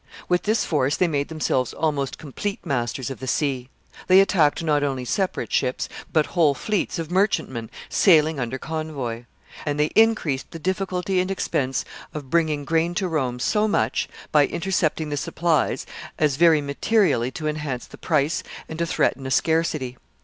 With this force they made themselves almost complete masters of the sea. They attacked not only separate ships, but whole fleets of merchantmen sailing under convoy; and they increased the difficulty and expense of bringing grain to Rome so much, by intercepting the supplies, as very materially to enhance the price and to threaten a scarcity.